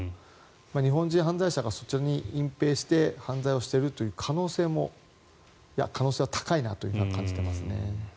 日本人犯罪者がそちらに隠ぺいして犯罪をしているという可能性は高いなと感じていますね。